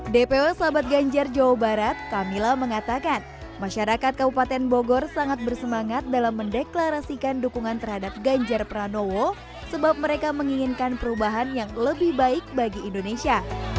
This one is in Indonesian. dpw sahabat ganjar jawa barat kamila mengatakan masyarakat kabupaten bogor sangat bersemangat dalam mendeklarasikan dukungan terhadap ganjar pranowo sebab mereka menginginkan perubahan yang lebih baik bagi indonesia